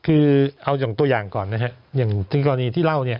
คือเอาอย่างตัวอย่างก่อนนะฮะอย่างถึงกรณีที่เล่าเนี่ย